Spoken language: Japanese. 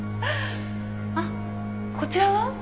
あっこちらは？